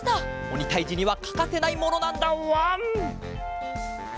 おにたいじにはかかせないものなんだわん！